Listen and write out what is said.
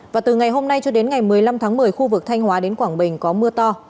và từ ngày hôm nay cho đến ngày một mươi năm tháng một mươi khu vực thanh hóa đến quảng bình có mưa to